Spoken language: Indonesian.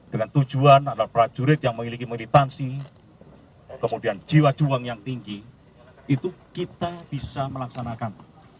dengan tujuan adalah prajurit yang memiliki militansi kemudian jiwa juang yang tinggi itu kita bisa melaksanakan